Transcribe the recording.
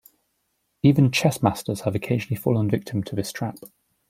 Even chess masters have occasionally fallen victim to this trap.